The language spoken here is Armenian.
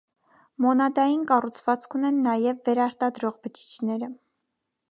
Մոնադային կառուցվածք ունեն նաև վերարտադրող բջիջները։